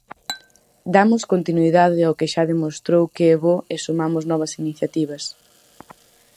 Damos continuidade ao que xa demostrou que é bo e sumamos novas iniciativas.